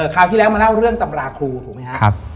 คราวที่แล้วมาเล่าเรื่องตำราครูถูกไหมครับ